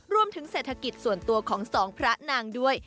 รวมถึงเศรษฐกิจส่วนตัวของสองพระนางด้วย